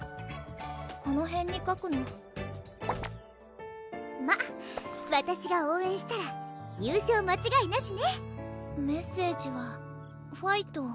この辺に書くのまぁわたしが応援したら優勝間違いなしねメッセージは「ファイト！」